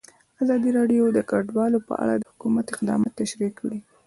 ازادي راډیو د کډوال په اړه د حکومت اقدامات تشریح کړي.